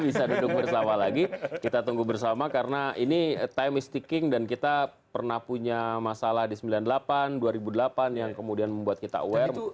bisa duduk bersama lagi kita tunggu bersama karena ini time isticking dan kita pernah punya masalah di sembilan puluh delapan dua ribu delapan yang kemudian membuat kita aware